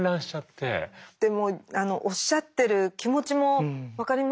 でもおっしゃってる気持ちも分かりますよね。